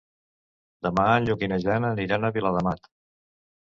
Demà en Lluc i na Jana aniran a Viladamat.